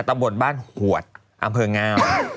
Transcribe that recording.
ตำบลบ้านหวดอำเภองา